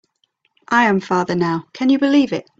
I am father now, can you believe it?